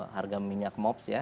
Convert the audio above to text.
harga minyak mops ya